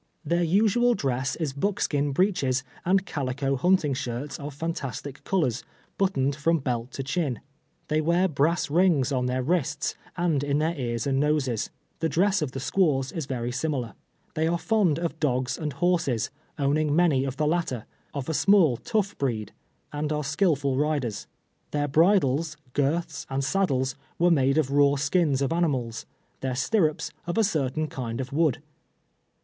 Their nsual dress is buckskin breeches and calico lumting shirts of fantastic colors, buttoned from belt to chin. They wear brass rings on their wrists, and in their ears and noses. The dress of the scpiaws is very similar. Tliey are fond of dogs and horses — owning many of the latter, of a small, tongli breed — ^and are skillful rideis. Their bridles, girths and saddles ■svere made of raw skins of animals ; their stirrups of a certain kiiul of wood.